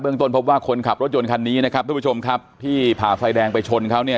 ต้นพบว่าคนขับรถยนต์คันนี้นะครับทุกผู้ชมครับที่ผ่าไฟแดงไปชนเขาเนี่ย